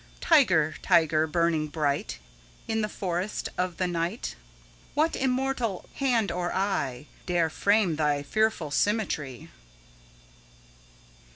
20 Tiger, tiger, burning bright In the forests of the night, What immortal hand or eye Dare frame thy fearful symmetry?